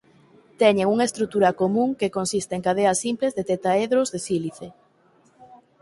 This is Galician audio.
Teñen unha estrutura común que consiste en cadeas simples de tetraedros de sílice.